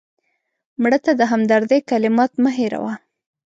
مړه ته د همدردۍ کلمات مه هېروه